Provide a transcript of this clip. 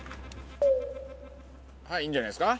いいんじゃないですか？